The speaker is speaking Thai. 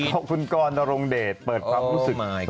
ขอบคุณก้อนอารมณ์เดทเปิดความรู้สึก